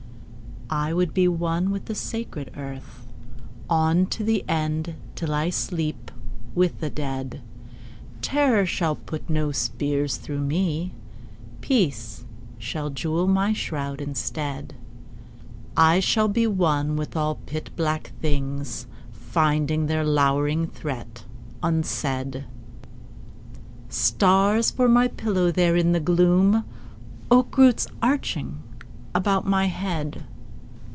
I would be one with the sacred earth On to the end, till I sleep with the dead. Terror shall put no spears through me. Peace shall jewel my shroud instead. I shall be one with all pit black things Finding their lowering threat unsaid: Stars for my pillow there in the gloom,— Oak roots arching about my head!